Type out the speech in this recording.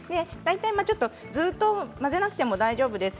ずっと混ぜなくても大丈夫です。